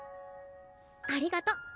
ありがと。